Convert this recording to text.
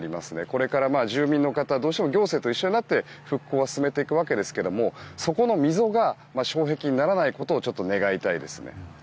これから、住民の方どうしても行政と一緒になって復興を進めていくわけですけどもそこの溝が障壁にならないことを願いたいです。